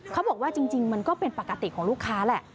เขาบอกว่าจริงมันก็เป็นปกติของลูกค้าแหละ